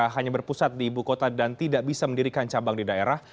hanya berpusat di ibu kota dan tidak bisa mendirikan cabang di daerah